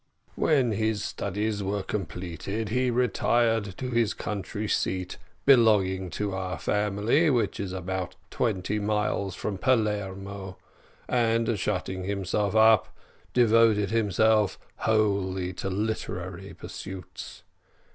When his studies were completed he retired to his country seat, belonging to our family, which is about twenty miles from Palermo, and shutting himself up, devoted himself wholly to literary pursuits.